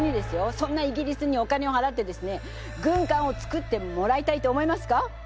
そんなイギリスにお金をはらってですね軍艦をつくってもらいたいと思いますか？